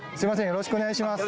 よろしくお願いします